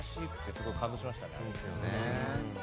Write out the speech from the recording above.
すごく感動しましたね。